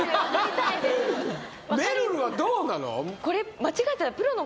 めるるはどうなの？